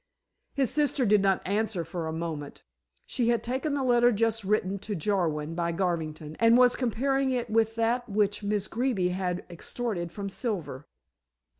His sister did not answer for a moment. She had taken the letter just written to Jarwin by Garvington and was comparing it with that which Miss Greeby had extorted from Silver.